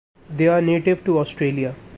They are native to Australia.